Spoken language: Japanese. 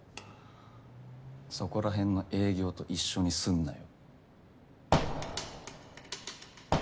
そこらへんの営業と一緒にすんなよ。